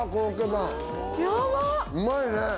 うまいね！